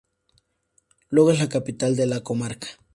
Lugo es la capital de la comarca.